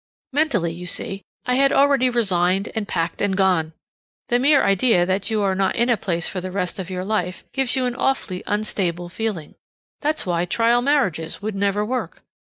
Mentally, you see, I had already resigned and packed and gone. The mere idea that you are not in a place for the rest of your life gives you an awfully unstable feeling. That's why trial marriages would never work.